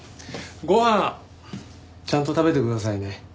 ご飯ちゃんと食べてくださいね。